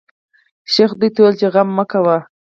شیخ دوی ته وویل چې غم مه کوی.